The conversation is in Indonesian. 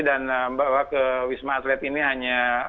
dan membawa ke wisma atlet ini hanya kopi